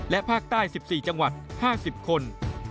และภาคใต้๑๔จังหวัด๕๐คน